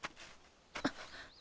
あっ！